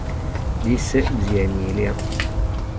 Disse zia Emilia.